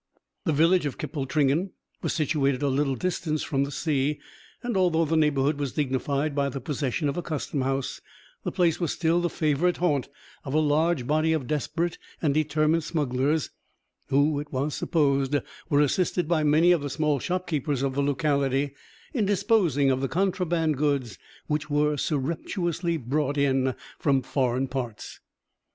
The village of Kippletringan was situated a little distance from the sea; and although the neighbourhood was dignified by the possession of a customhouse, the place was still the favourite haunt of a large body of desperate and determined smugglers, who, it was supposed, were assisted by many of the small shopkeepers of the locality in disposing of the contraband goods which were surreptitiously brought from foreign parts.